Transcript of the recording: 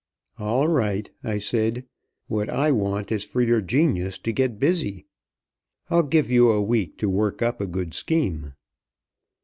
"All right," I said, "what I want is for your genius to get busy. I'll give you a week to work up a good scheme."